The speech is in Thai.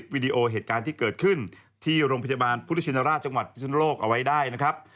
วิดีโอเหตุการณ์ที่เกิดขึ้นที่โรงพยาบาลพุทธชินราชจังหวัดพิศนุโลกเอาไว้ได้นะครับ